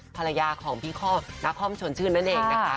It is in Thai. ภรรยาของพี่นาคอมชวนชื่นนั่นเองนะคะ